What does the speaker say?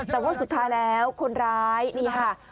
แต่ว่าสุดท้ายแล้วคนร้ายนี่ค่ะ